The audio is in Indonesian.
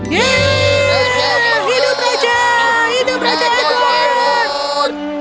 yeay hidup raja hidup raja edward